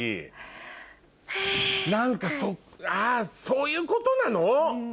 あそういうことなの？